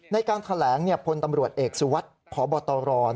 ในการแถลงพลตำรวจเอกสุวัสดิ์พบตร